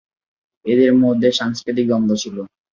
এদের মধ্যে সাংস্কৃতিক দ্বন্দ্ব ছিল।